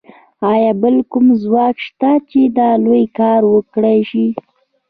ایا بل کوم ځواک شته چې دا لوی کار وکړای شي